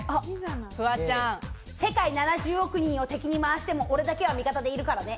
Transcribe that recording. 世界７０億人を敵にまわしても俺だけは味方でいるからね。